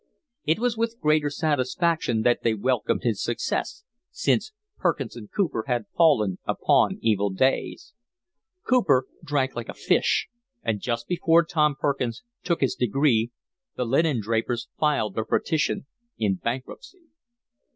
It was with greater satisfaction that they welcomed his success, since Perkins and Cooper had fallen upon evil days: Cooper drank like a fish, and just before Tom Perkins took his degree the linendrapers filed their petition in bankruptcy.